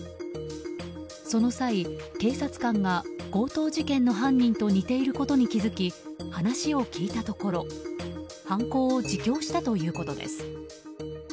その際、警察官が強盗事件の犯人と似ていることに気づき話を聞いたところ犯行を自供したということです。